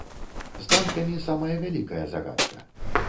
З танкамі самая вялікая загадка.